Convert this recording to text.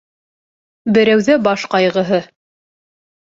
Берәүҙә баш ҡайғыһы.